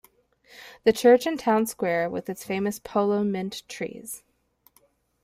The church and town square, with its famous "polo mint trees".